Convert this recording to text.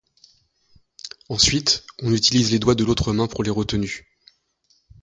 Ensuite, on utilise les doigts de l'autre main pour les retenues.